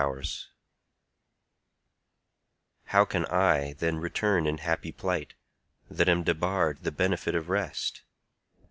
XXVIII How can I then return in happy plight, That am debarre'd the benefit of rest?